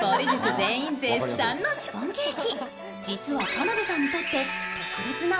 全員絶賛のシフォンケーキ。